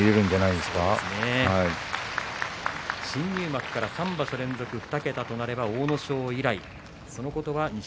新入幕から３場所連続２桁となれば阿武咲以来です。